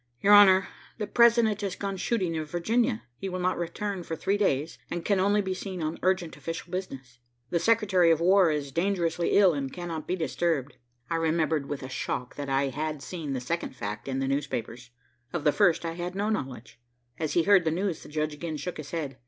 "Your honor, the President has gone shooting in Virginia. He will not return for three days, and can only be seen on urgent official business. The Secretary of War is dangerously ill and cannot be disturbed." I remembered with a shock that I had seen the second fact in the newspapers. Of the first I had no knowledge. As he heard the news, the judge again shook his head.